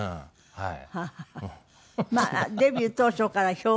はい。